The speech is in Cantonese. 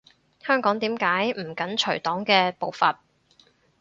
香港點解唔緊隨黨嘅步伐？